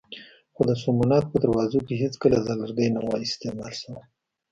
خو د سومنات په دروازو کې هېڅکله دا لرګی نه و استعمال شوی.